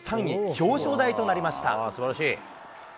表彰台となりました。